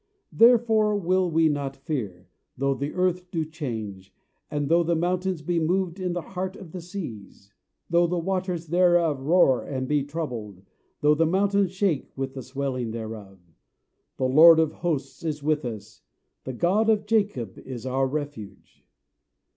Therefore will we not fear, though the earth do change, And though the mountains be moved in the heart of the seas; Though the waters thereof roar and be troubled, Though the mountains shake with the swelling thereof. THE LORD OF HOSTS IS WITH US; THE GOD OF JACOB IS OUR REFUGE.